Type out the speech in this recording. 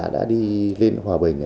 đã đi lên hòa bình